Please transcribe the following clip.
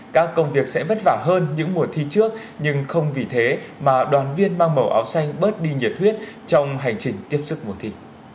các công việc sẽ vất vả hơn những mùa thi trước nhưng không vì thế mà đoàn viên mang màu áo xanh bớt đi nhiệt huyết trong hành trình tiếp sức mùa thi